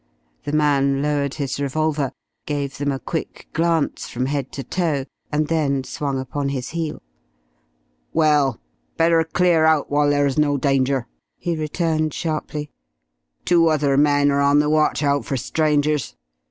The man lowered his revolver, gave them a quick glance from head to toe, and then swung upon his heel. "Well, better clear out while there's no danger," he returned sharply. "Two other men are on the watch out for strangers.